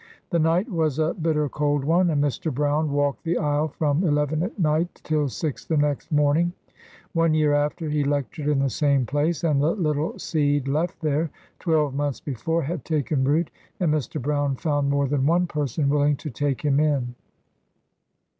The night was a bitter cold one, and Mr. Brown walked the aisle from eleven at night till six the next morning. One y after, he lectured in the same place, and the little seed left there, twelve months before, had taken root, and Mr. Brown found more than one person willing to take him in.